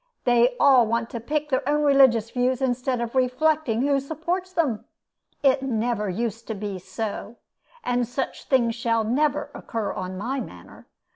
They all want to pick their own religious views, instead of reflecting who supports them! It never used to be so; and such things shall never occur on my manor.